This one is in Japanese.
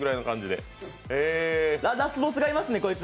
ラスボスがいますね、こいつ。